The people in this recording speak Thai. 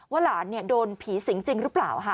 ว่าหลานเนี่ยโดนผีสิงจริงหรือเปล่าค่ะ